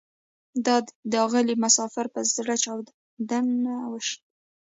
دا داغلی مسافر به زره چاود شي